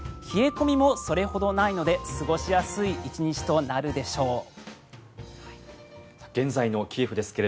冷え込みもそれほどないので過ごしやすい１日となるでしょう。